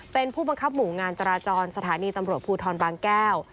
เป็นผู้บังคับหมู่งานจราจรสถานีตำรวจภูทรบางแก้ว